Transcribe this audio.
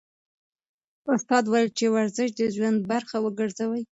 استاد وویل چې ورزش د ژوند برخه وګرځوئ.